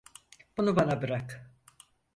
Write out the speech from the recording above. Bunu bana bırak.